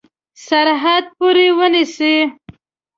سرحد پوري ونیسي.